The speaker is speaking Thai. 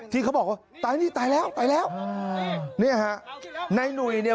ที่เขาบอกว่าตายนี่ตายแล้วตายแล้วเนี่ยฮะนายหนุ่ยเนี่ย